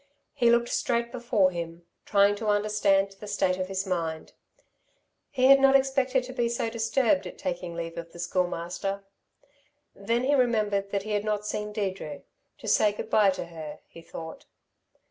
He looked straight before him, trying to understand the state of his mind. He had not expected to be so disturbed at taking leave of the Schoolmaster. Then he remembered that he had not seen Deirdre to say good bye to her, he thought.